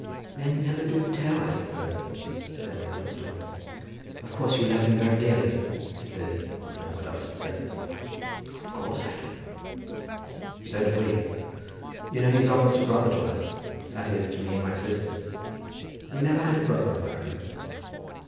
"Men never do tell, I suppose," said Emily Dunstable. "Of course you love him very dearly?" said Lily, not knowing what else to say. "Of course I do." "So do we. You know he's almost a brother to us; that is, to me and my sister. We never had a brother of our own."